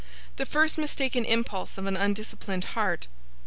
'The first mistaken impulse of an undisciplined heart.